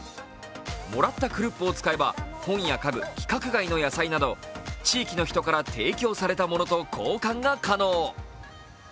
もらったクルッポを使えば、本や家具、規格外の野菜など地域の人から提供されたものと交換が可能。